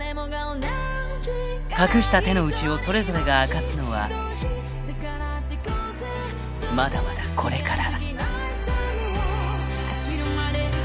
［隠した手の内をそれぞれが明かすのはまだまだこれから］